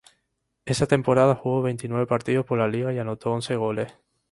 Esa temporada jugó veintinueve partidos por la liga y anotó once goles.